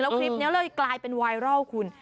แล้วคลิปนี้กลายเป็นไวรัลคุณ